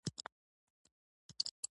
ښه کیفیت د لوړ اعتماد نښه ده.